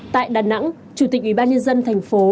tại đà nẵng chủ tịch ủy ban nhân dân thành phố